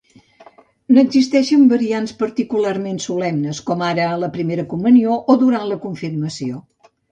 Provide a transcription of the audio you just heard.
N'existeixen variants particularment solemnes, com ara la primera comunió o durant la confirmació.